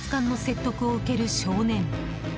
警察官の説得を受ける少年。